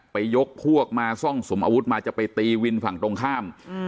ยกพวกมาซ่องสุมอาวุธมาจะไปตีวินฝั่งตรงข้าม